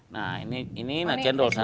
nah ini nanti cendol sana